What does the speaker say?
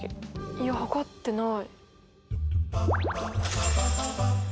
いや測ってない。